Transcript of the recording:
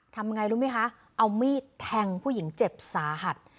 ทำไงรู้ไหมคะเอามีดแทงผู้หญิงเจ็บสาหัส